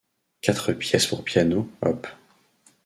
Quatre pièces pour piano, op.